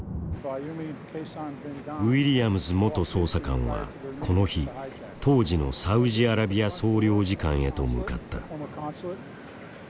ウィリアムズ元捜査官はこの日当時のサウジアラビア総領事官へと向かった。